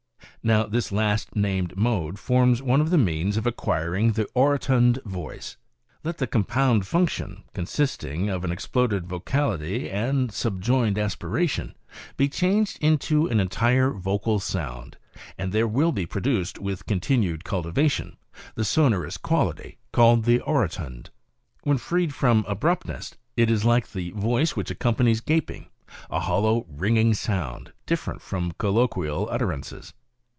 Now, this last named mode forms one of the means for acquiring the orotund voice. Let the com pound function, consisting of an exploded vocality and subjoined \ 28 maccabe's art of ventriloquism aspiration, be changed into an entire vocal sound, and there will be produced, with continued cultivation, the sonorous quality called the orotund. When freed from abruptness it is like the voice which accompanies gaping, a hollow ringing sound, different from colloquial utterances."